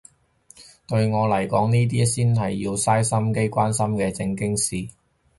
對我嚟講呢啲先係要嘥心機關心嘅正經事